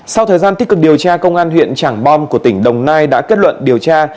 sau thời gian tích cực điều tra công an huyện trảng bom của tỉnh đồng nai đã kết luận điều tra